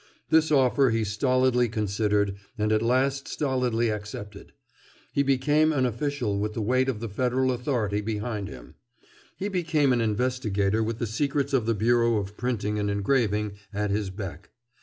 This offer he stolidly considered and at last stolidly accepted. He became an official with the weight of the Federal authority behind him. He became an investigator with the secrets of the Bureau of Printing and Engraving at his beck.